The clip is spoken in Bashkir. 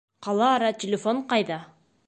Ҡала-ара телефон ҡайҙа?